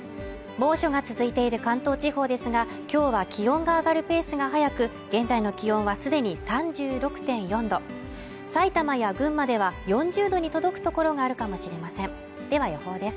猛暑が続いている関東地方ですがきょうは気温が上がるペースが早く現在の気温はすでに３６．４度埼玉や群馬では４０度に届くところがあるかもしれませんでは予報です